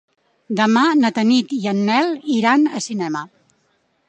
Demà na Tanit i en Nel iran al cinema.